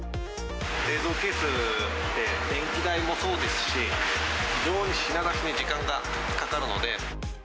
冷蔵ケースって電気代もそうですし、非常に品出しに時間がかかるので。